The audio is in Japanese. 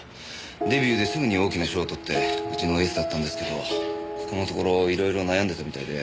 デビューですぐに大きな賞を取ってうちのエースだったんですけどここのところ色々悩んでたみたいで。